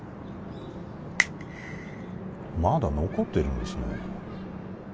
まだ残ってるんですね